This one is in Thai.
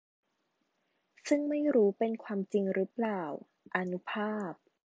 ซึ่งไม่รู้เป็นความจริงรึเปล่า อานุภาพ